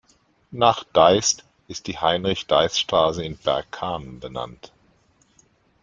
Nach Deist ist die Heinrich-Deist-Straße in Bergkamen benannt.